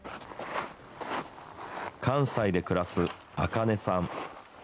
関西で暮らすあかねさん。